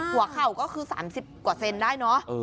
หัวเข่าก็คือ๓๐กว่าเซนได้เนอะ